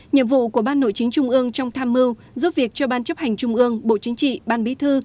nhiệm vụ của ban nội chính trung ương trong tham mưu giúp việc cho ban chấp hành trung ương bộ chính trị ban bí thư